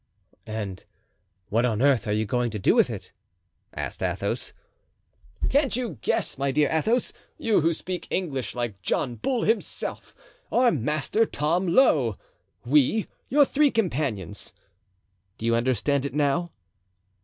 "And what on earth are you going to do with it?" asked Athos. "Can't you guess, my dear Athos? You, who speak English like John Bull himself, are Master Tom Lowe, we, your three companions. Do you understand it now?"